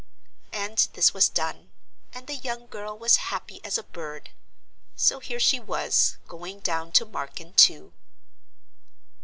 And this was done, and the young girl was happy as a bird. So here she was, going down to Marken too.